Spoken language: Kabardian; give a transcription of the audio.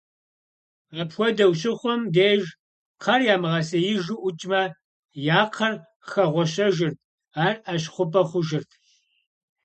Апхуэдэу щыхъум деж, кхъэр ямыгъэсеижу ӀукӀмэ, я кхъэр хэгъуэщэжырт, ар Ӏэщ хъупӀэ хъужырт.